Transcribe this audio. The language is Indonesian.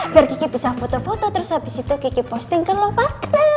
biar kiki bisa foto foto terus abis itu kiki posting ke lo bakal